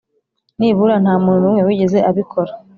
nibura nta muntu n'umwe wigeze abikora; "